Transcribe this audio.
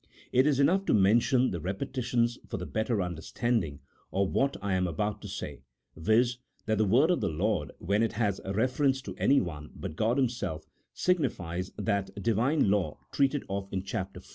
It is enough to mention the repetition for the better understanding of what I am about to say — viz., that the Word of the Lord when it has reference to anyone but God Himself, signifies that Divine law treated of in Chap. IV.